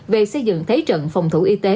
về xây dựng thế trận phòng thủ y tế